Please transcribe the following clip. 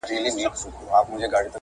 مثلا د حفیظ همیم په غزلونو کې